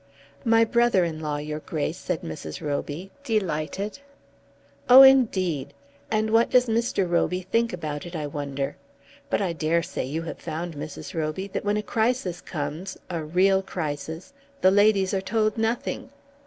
"My brother in law, your Grace," said Mrs. Roby, delighted. "Oh indeed. And what does Mr. Roby think about it, I wonder? But I dare say you have found, Mrs. Roby, that when a crisis comes, a real crisis, the ladies are told nothing.